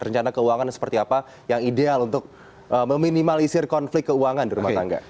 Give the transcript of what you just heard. rencana keuangan seperti apa yang ideal untuk meminimalisir konflik keuangan di rumah tangga